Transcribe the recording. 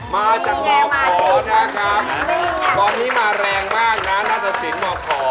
มาจากหมอขอนะครับตอนนี้มาแรงมากนะน่าจะศิลป์หมอขอ